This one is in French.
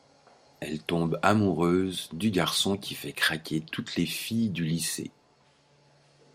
Elle tombe amoureuse du garçon qui fait craquer toutes les filles du lycée.